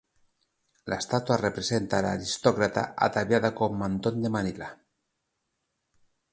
La estatua representa a la aristócrata ataviada con mantón de Manila.